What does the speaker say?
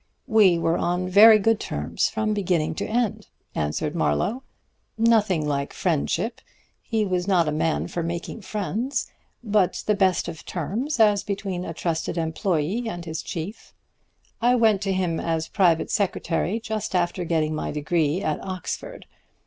"We were on very good terms from beginning to end," answered Marlowe. "Nothing like friendship he was not a man for making friends but the best of terms as between a trusted employee and his chief. I went to him as private secretary just after getting my degree at Oxford.